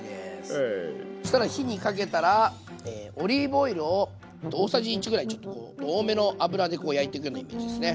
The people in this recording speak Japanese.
そしたら火にかけたらオリーブオイルを大さじ１ぐらいちょっとこう多めの油で焼いていくようなイメージですね。